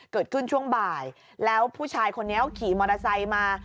เกิดขึ้นช่วงบ่ายแล้วผู้ชายคนนี้เขาขี่มอเตอร์ไซค์มา